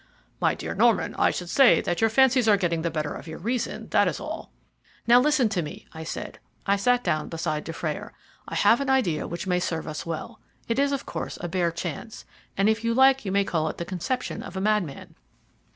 "My dear Norman, I should say that your fancies are getting the better of your reason, that is all." "Now listen to me," I said. I sat down beside Dufrayer. "I have an idea which may serve us well. It is, of course, a bare chance, and if you like you may call it the conception of a madman.